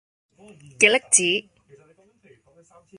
極力子